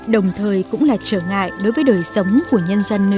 đồng thời cũng là trở ngại đối với đời sống của nhân dân